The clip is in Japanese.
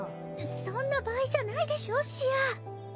そんな場合じゃないでしょシア。